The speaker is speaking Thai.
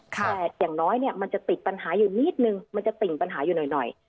แต่อย่างน้อยเนี่ยมันจะติดปัญหาอยู่นิดนึงมันจะติ่งปัญหาอยู่หน่อย